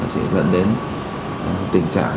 sẽ dẫn đến tình trạng